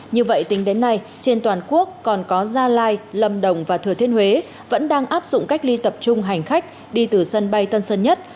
như vậy tính đến nay trên toàn quốc còn có gia lai lâm đồng và thừa thiên huế vẫn đang áp dụng cách ly tập trung hành khách đi từ sân bay tân sơn nhất